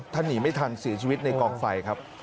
หนีไม่ทันเสียชีวิตในกองไฟครับ